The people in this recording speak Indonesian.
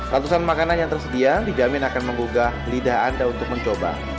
ratusan makanan yang tersedia dijamin akan menggugah lidah anda untuk mencoba